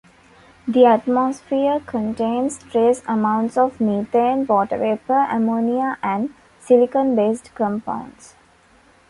The atmosphere contains trace amounts of methane, water vapor, ammonia, and silicon-based compounds.